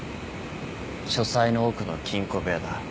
書斎の奥の金庫部屋だ。